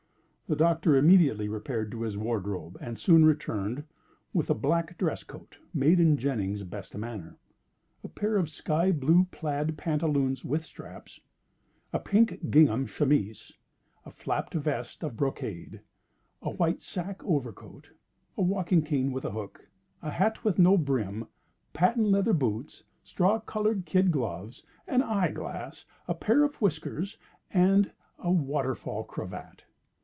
The Doctor immediately repaired to his wardrobe, and soon returned with a black dress coat, made in Jennings' best manner, a pair of sky blue plaid pantaloons with straps, a pink gingham chemise, a flapped vest of brocade, a white sack overcoat, a walking cane with a hook, a hat with no brim, patent leather boots, straw colored kid gloves, an eye glass, a pair of whiskers, and a waterfall cravat.